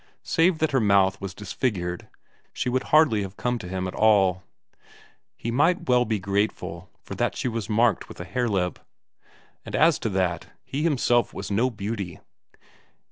Save that her mouth was disfigured, she would hardly have come to him at all; he might well be grateful for that she was marked with a hare lip. And as to that, he himself was no beauty.